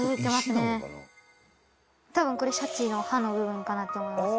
多分これシャチの歯の部分かなって思います。